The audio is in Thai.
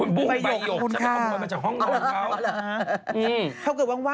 คุณบุ้งไปหยกจะไปขอบคุณบุ้งมาจากห้องรองเท้า